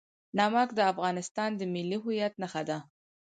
نمک د افغانستان د ملي هویت نښه ده.